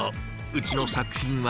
うちの作品は」